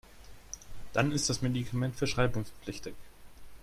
Dann ist das Medikament verschreibungspflichtig.